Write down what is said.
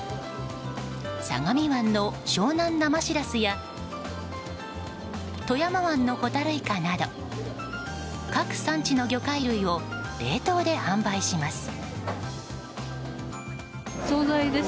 相模湾の湘南生しらすや富山湾のホタルイカなど各産地の魚介類を冷凍で販売します。